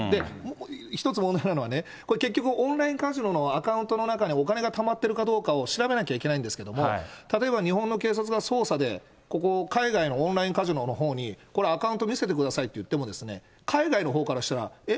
一つ問題なのは、これ、結局、オンラインカジノのアカウントの中でお金がたまってるかどうかを調べなきゃいけないんですけれども、例えば日本の警察が、捜査で、ここ、海外のオンラインカジノのほうに、このアカウントを見せてくださいって言っても、海外のほうからしたら、え？